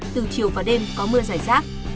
từ chiều và đêm có mưa giải rác